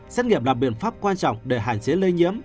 xét nghiệm là biện pháp quan trọng để hạn chế lây nhiễm